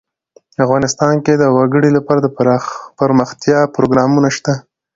افغانستان کې د وګړي لپاره دپرمختیا پروګرامونه شته.